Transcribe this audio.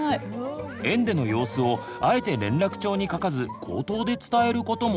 園での様子をあえて連絡帳に書かず口頭で伝えることも。